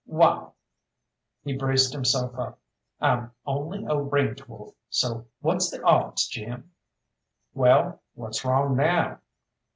Wall," he braced himself up, "I'm only a range wolf, so what's the odds, Jim?" "Well, what's wrong now?"